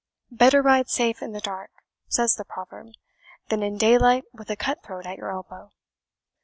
'Better ride safe in the dark,' says the proverb, 'than in daylight with a cut throat at your elbow.'